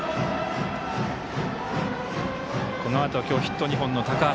このあとは今日ヒット２本の高橋。